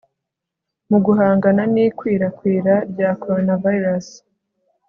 mu guhangana n'ikwirakwira rya coronavirus